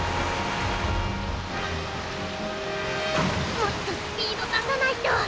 もっとスピード出さないと！